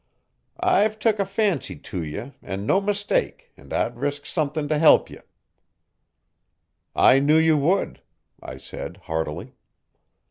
"I've took a fancy to ye and no mistake, and I'd risk something to help ye." "I knew you would," I said heartily.